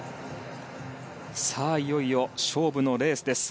いよいよ勝負のレースです。